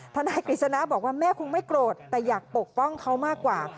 นายกฤษณะบอกว่าแม่คงไม่โกรธแต่อยากปกป้องเขามากกว่า